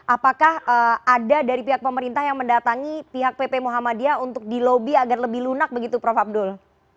apakah ada dari pihak pemerintah yang mendatangi pihak pp muhammadiyah untuk dilobi agar lebih lunak begitu prof abdul